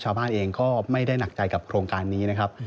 ชาวบ้านเองก็ไม่ได้หนักใจกับโครงการนี้นะครับ